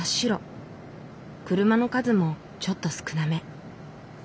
車の数もちょっと少なめ。